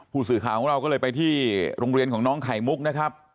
ผู้สื่อข่าวของเราก็เลยไปที่โรงเรียนของน้องไข่มุกนะครับ